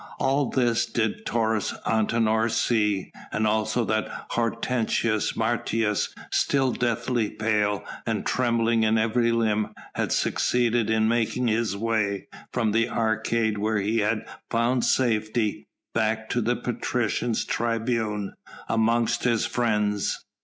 All this did Taurus Antinor see, and also that Hortensius Martius, still deathly pale and trembling in every limb, had succeeded in making his way from the arcade where he had found safety, back to the patricians' tribune amongst his friends.